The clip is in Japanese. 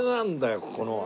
ここのは。